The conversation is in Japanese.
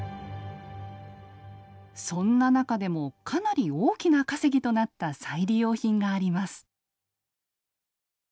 そんな中でもかなり大きな稼ぎとなった再利用品があります。